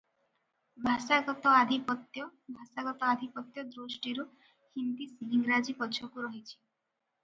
ଭାଷାଗତ ଆଧିପତ୍ୟ ଭାଷାଗତ ଆଧିପତ୍ୟ ଦୃଷ୍ଟିରୁ ହିନ୍ଦୀ ଇଂରାଜୀ ପଛକୁ ରହିଛି ।